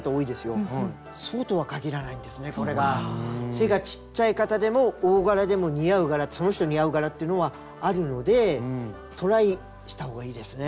背がちっちゃい方でも大柄でも似合う柄その人に合う柄っていうのはあるのでトライしたほうがいいですね。